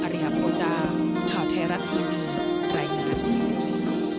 อริยาโมจารย์ข่าวไทยรัฐทีมีไกลงาน